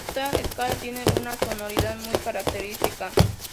Esta escala tiene una sonoridad muy característica.